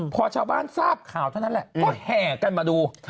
พอชาวบ้านทราบข่าวเท่านั้นแหละก็แห่กันมาดู